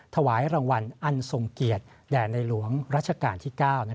ถวายรางวัลอันทรงเกียรติแด่ในหลวงรัชกาลที่๙